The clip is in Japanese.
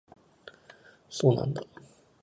そうなんだ